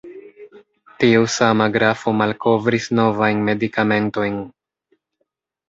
Tiu sama grafo malkovris novajn medikamentojn.